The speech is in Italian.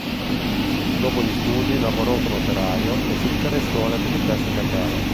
Dopo gli studi lavorò come operaio e si interessò all'attività sindacale.